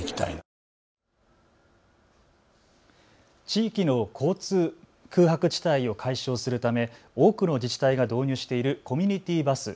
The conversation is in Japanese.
地域の交通空白地帯を解消するため多くの自治体が導入しているコミュニティーバス。